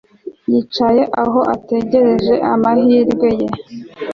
Yicaye aho ategereje amahirwe ye